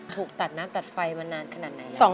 ถูกตัดน้ำตัดไฟมานานขนาดไหน